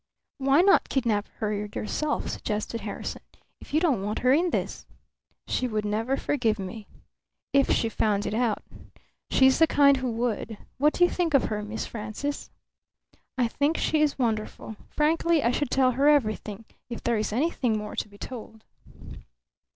"Why not kidnap her yourself," suggested Harrison, "if you don't want her in this?" "She would never forgive me." "If she found it out." "She's the kind who would. What do you think of her, Miss Frances?" "I think she is wonderful. Frankly, I should tell her everything if there is anything more to be told."